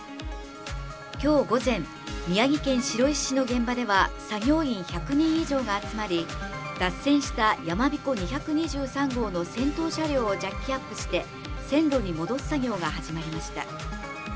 きょう午前、宮城県白石市の現場では、作業員１００人以上が集まり、脱線したやまびこ２２３号の先頭車両をジャッキアップして、線路に戻す作業が始まりました。